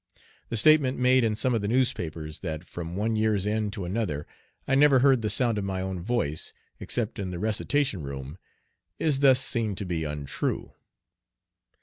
The statement made in some of the newspapers, that from one year's end to another I never heard the sound of my own voice, except in the recitation room, is thus seen to be untrue.